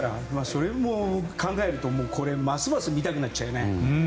それを考えるとますます見たくなっちゃうね。